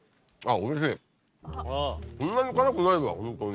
そんなに辛くないわホントに。